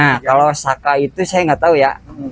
nah kalau saka itu saya nggak tahu ya